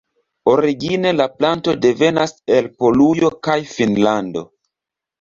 Origine la planto devenas el Polujo kaj Finnlando.